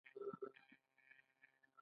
تا لیک لیکلی دی باید د زمانې له مخې معلوم شي.